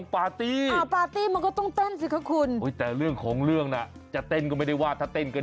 เป็นท่าคันไม่ได้อาบน้ำ